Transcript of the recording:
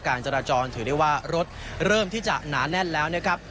การจราจรถือได้ว่ารถเริ่มที่จะหนาแน่นแล้วนะครับ